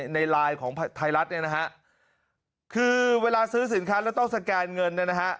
ในไลน์ของไทยรัฐเนี่ยนะฮะคือเวลาซื้อสินค้าแล้วต้องสแกนเงินเนี่ยนะฮะ